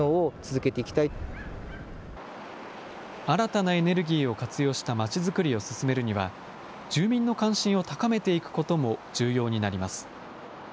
新たなエネルギーを活用したまちづくりを進めるには、住民の関心を高めていくことも重要になります。